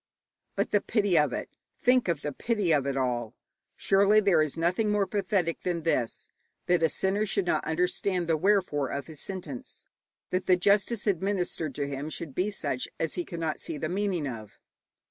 But the pity of it think of the pity of it all! Surely there is nothing more pathetic than this: that a sinner should not understand the wherefore of his sentence, that the justice administered to him should be such as he cannot see the meaning of.